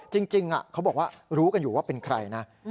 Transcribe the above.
จริงเขาบอกว่ารู้กันอยู่ว่าเป็นใครนะ